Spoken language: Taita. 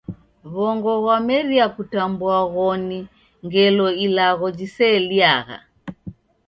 W'ongo ghwameria kutambua ghoni ngelo ilagho jiseeliagha.